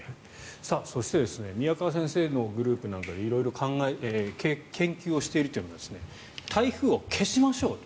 そして宮川先生のグループなんかで色々研究をしているというのが台風を消しましょうと。